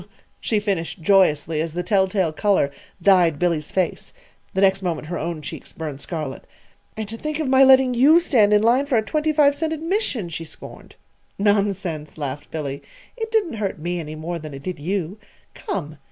_" she finished joyously, as the telltale color dyed Billy's face. The next moment her own cheeks burned scarlet. "And to think of my letting you stand in line for a twenty five cent admission!" she scorned. "Nonsense!" laughed Billy. "It didn't hurt me any more than it did you. Come!"